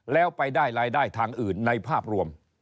แล้วไปได้รายได้ทางอื่นในภาพรวม